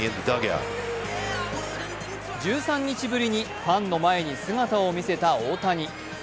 １３日ぶりにファンの前に姿を見せた大谷